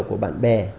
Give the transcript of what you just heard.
của bạn bè